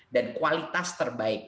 dan kualitas terbaik